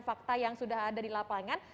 fakta yang sudah ada di lapangan